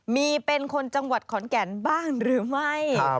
มีเป็นคนจังหวัดขอนแก่นบ้างหรือไม่